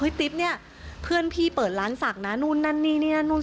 เฮ้ยติ๊บเนี่ยเพื่อนพี่เปิดร้านศักดิ์นะนู่นนี่นี่นานู่น